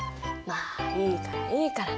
まあいいからいいから。